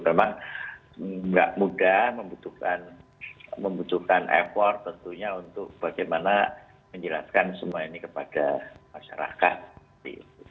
memang tidak mudah membutuhkan effort tentunya untuk bagaimana menjelaskan semua ini kepada masyarakat